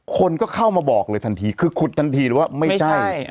คนก็เข้ามาบอกเลยทันทีคือขุดทันทีเลยว่าไม่ใช่